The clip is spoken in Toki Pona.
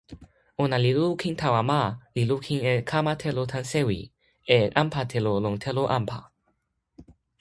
ona li lukin tawa ma, li lukin e kama telo tan sewi, e anpa telo lon telo anpa.